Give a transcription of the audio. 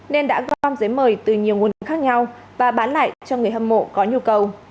ba mươi một nên đã gom giấy mời từ nhiều nguồn khác nhau và bán lại cho người hâm mộ có nhu cầu